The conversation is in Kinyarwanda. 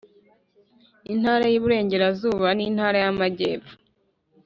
intara y Iburengerazuba n intara y Amajyepfo